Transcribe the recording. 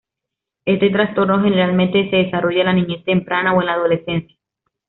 Este trastorno generalmente se desarrolla en la niñez temprana o en la adolescencia.